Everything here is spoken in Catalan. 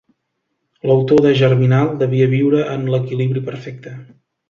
L'autor de Germinal devia viure en l'equilibri perfecte.